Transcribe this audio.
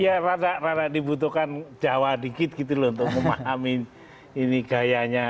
ya rada rada dibutuhkan jawa dikit gitu loh untuk memahami ini gayanya